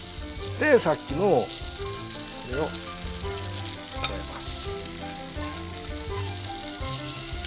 でさっきのこれを加えます。